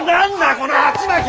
このハチマキ！